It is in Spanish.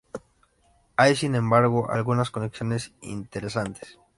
Hay, sin embargo, algunas conexiones interesantes.